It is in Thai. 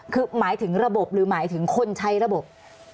คือหมายถึงระบบหรือหมายถึงคนใช้ระบบ